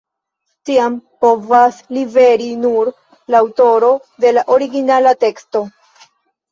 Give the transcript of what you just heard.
Tian povas liveri nur la aŭtoro de la originala teksto.